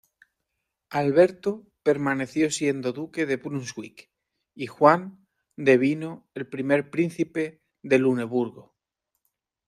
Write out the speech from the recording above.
Alberto permaneció siendo duque de Brunswick y Juan devino el primer príncipe de Luneburgo.